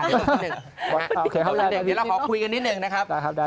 จะเราขอคุยกันนิดนึงนะครับ